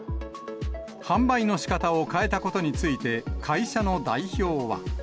販売のしかたを変えたことについて、会社の代表は。